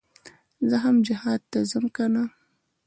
زه هم جهاد ته ځم كنه.